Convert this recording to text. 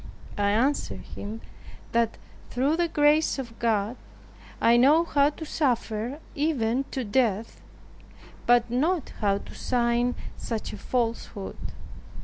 I answered him, that "through the grace of God, I know how to suffer, even to death, but not how to sign such a falsehood."